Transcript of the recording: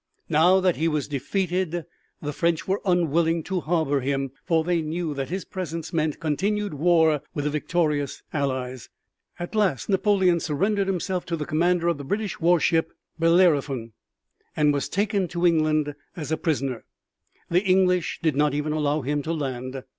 Now that he was defeated the French were unwilling to harbor him, for they knew that his presence meant continued war with the victorious Allies. At last Napoleon surrendered himself to the commander of the British warship Bellerophon, and was taken to England as a prisoner. The English did not even allow him to land.